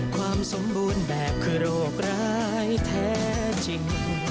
ความสมบูรณ์แบบคือโรคร้ายแท้จริง